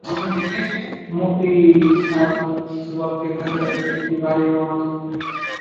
মুতি সালজবার্গের কাছাকাছি একটি বাড়িরও মালিক।